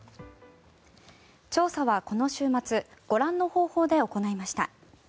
調査はこの週末ご覧の方法で行いました。